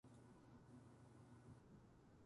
早く帰りたい